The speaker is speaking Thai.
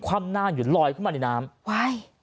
คว่ำหน้าหยุดลอยขึ้นมาในน้ำ